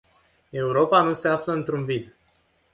Europa nu se află într-un vid.